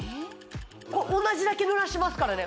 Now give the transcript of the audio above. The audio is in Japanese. おんなじだけぬらしてますからね